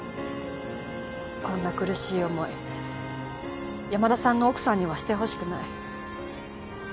こんな苦しい思い山田さんの奥さんにはしてほしくない。